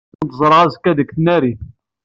Ad kent-ẓreɣ azekka deg tnarit.